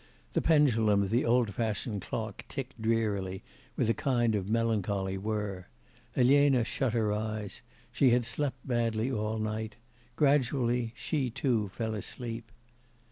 The pendulum of the old fashioned clock ticked drearily, with a kind of melancholy whirr. Elena shut her eyes. She had slept badly all night; gradually she, too, fell asleep.